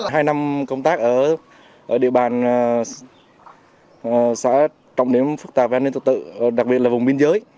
hai năm công tác ở địa bàn xã trọng điểm phức tạp về an ninh trật tự đặc biệt là vùng biên giới